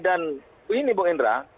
dan ini bung indra